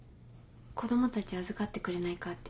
子供たち預かってくれないかって。